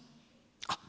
あっ。